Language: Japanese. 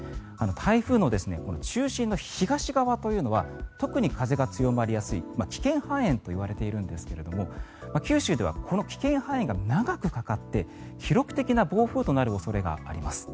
台風の中心の東側というのは特に風が強まりやすい危険半円と呼ばれているんですが九州ではこの危険半円が長くかかって記録的な暴風となる恐れがあります。